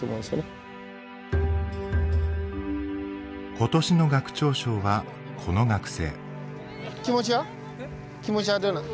今年の学長賞はこの学生。